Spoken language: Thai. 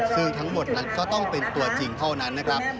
ซึ่งทั้งหมดนั้นก็ต้องเป็นตัวจริงเท่านั้นนะครับ